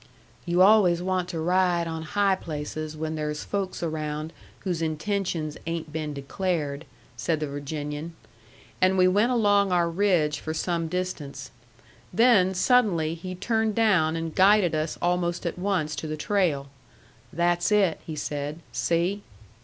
"You always want to ride on high places when there's folks around whose intentions ain't been declared," said the Virginian. And we went along our ridge for some distance. Then, suddenly he turned down and guided us almost at once to the trail. "That's it," he said. "See."